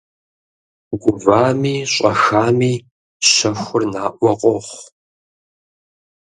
Гувами щӏэхами щэхур наӏуэ къохъу.